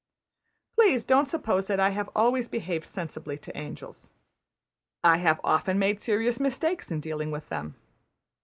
Please don't suppose that I have always behaved sensibly to angels. I have often made serious mistakes in dealing with them.